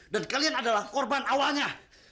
dan kalian adalah korban awalnya